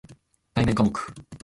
対面科目